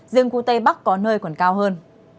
riêng khu tây bắc có nơi còn cao hơn